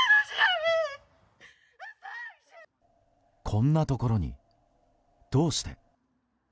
こんなところに、どうして。